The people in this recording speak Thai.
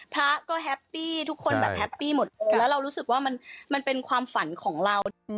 พระก็แฮปปี้ทุกคนแบบแฮปปี้หมดแล้วเรารู้สึกว่ามันเป็นความฝันของเรา